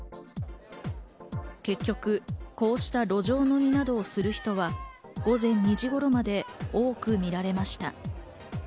結局、こうした路上飲みなどをする人は午前２時頃まで多く見られました。